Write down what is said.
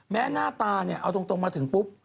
หน้าตาเนี่ยเอาตรงมาถึงปุ๊บ